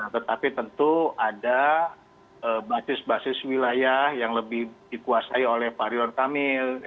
tetapi tentu ada basis basis wilayah yang lebih dikuasai oleh pak ridwan kamil